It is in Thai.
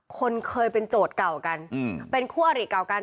คนเคยเป็นโจทย์เก่ากันเป็นคู่อริเก่ากัน